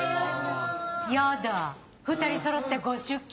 やだ２人そろってご出勤？